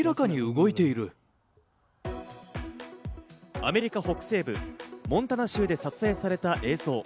アメリカ北西部モンタナ州で撮影された映像。